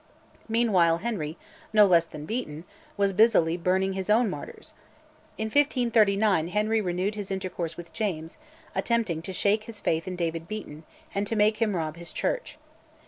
Meanwhile Henry, no less than Beaton, was busily burning his own martyrs. In 1539 Henry renewed his intercourse with James, attempting to shake his faith in David Beaton, and to make him rob his Church.